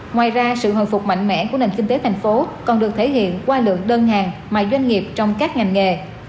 ngoài ra sự hồi phục mạnh mẽ của nền kinh tế thành phố còn được thể hiện qua lượng đơn hàng mà doanh nghiệp trong các ngành nghề